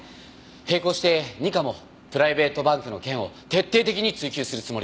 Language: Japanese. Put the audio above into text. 並行して二課もプライベートバンクの件を徹底的に追及するつもりです。